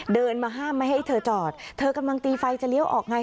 เดินมาห้ามไม่ให้เธอจอดเธอกำลังตีไฟจะเลี้ยวออกไง